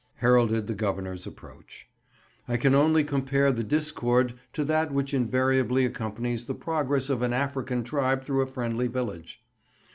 heralded the Governor's approach. I can only compare the discord to that which invariably accompanies the progress of an African tribe through a friendly village.